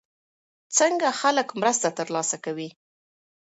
څنګه خلک مرسته ترلاسه کوي؟